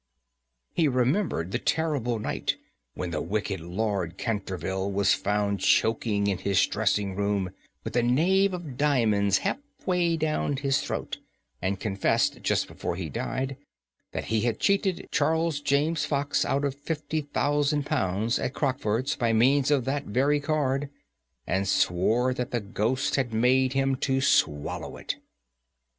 He remembered the terrible night when the wicked Lord Canterville was found choking in his dressing room, with the knave of diamonds half way down his throat, and confessed, just before he died, that he had cheated Charles James Fox out of £50,000 at Crockford's by means of that very card, and swore that the ghost had made him swallow it.